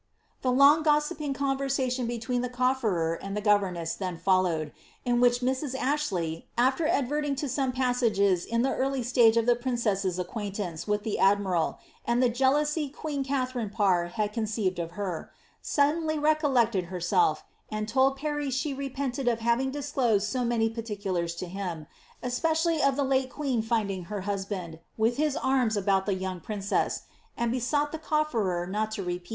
A long gossiping conversation between the coflerer and the governess then followed, in which Mrs. Ashley, after adverting to some passages in the early stage of the princess's acquaintance with the admiral, and the jealousy queen Katharine Parr had conceived of her, suddenly recol lected herself, and told Parry she repented of having disclosed so many particulars to him, especially of the late queen finding her husband, with his arms about the young princess, and besought the cofferer not to re« * Hayiies' Suite Tapers 'Ibid.